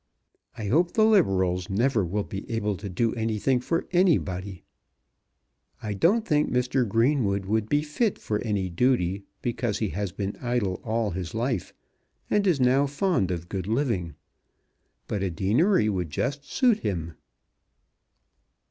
I hope the Liberals never will be able to do anything for anybody. I don't think Mr. Greenwood would be fit for any duty, because he has been idle all his life, and is now fond of good living; but a deanery would just suit him.